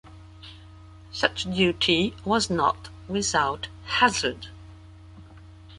Such duty was not without hazard.